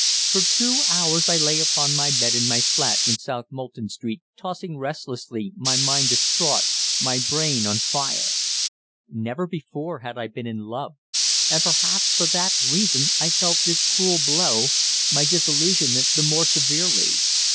For two hours I lay upon my bed in my flat in South Molton Street, tossing restlessly, my mind distraught, my brain on fire. Never before had I been in love, and perhaps for that reason I felt this cruel blow my disillusionment the more severely.